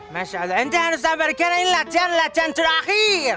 masya allah ini harus sabar karena ini latihan latihan terakhir